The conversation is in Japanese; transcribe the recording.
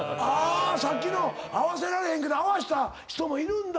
さっきの合わせられへんけど合わせた人いるんだ。